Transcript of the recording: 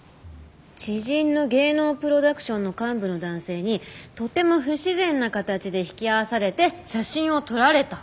「知人の芸能プロダクションの幹部の男性にとても不自然な形で引き合わされて写真を撮られた」。